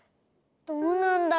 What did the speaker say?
どうなんだろ？